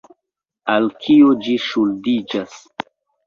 Al kio ĝi ŝuldiĝas?